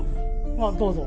まあどうぞ。